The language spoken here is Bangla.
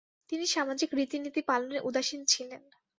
তিনি সামাজিক রীতি-নীতি পালনে উদাসীন ছিলেন।